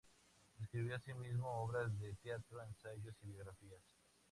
Escribió asimismo obras de teatro, ensayos y biografías.